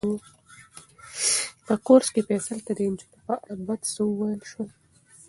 په کورس کې فیصل ته د نجونو په اړه بد څه ویل شوي وو.